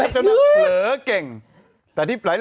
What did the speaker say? อ้าวไอ้ผีกูจะไปรู้เรื่องก็ได้ยังไง